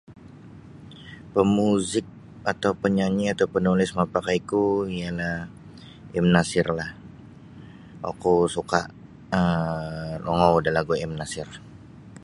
Pamuzik atau panyanyi atau panulis mapakai ku ialah M Nasir lah okou suka um rongou da lagu M Nasir.